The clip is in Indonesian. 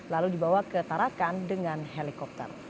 lalu dibawa ke tarakan dengan helikopter